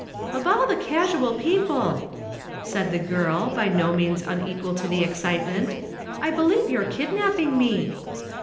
"Of all the casual people," said the girl, by no means unequal to the excitement, "I believe you're kidnapping me."